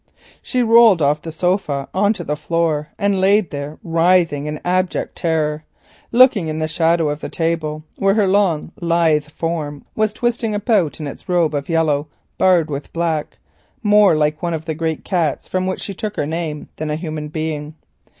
She rolled off the sofa on to the floor and lay there, writhing in abject terror, looking in the shadow of the table, where her long lithe form was twisting about in its robe of yellow barred with black, more like one of the great cats from which she took her name than a human being.